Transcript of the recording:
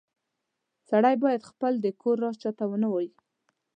سړی باید خپل د کور راز هیچاته و نه وایې